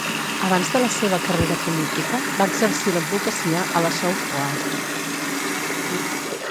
Abans de la seva carrera política, va exercir l'advocacia a la South Coast.